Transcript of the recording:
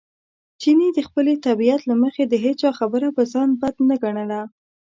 چیني د خپلې طبیعت له مخې د هېچا خبره پر ځان بد نه ګڼله.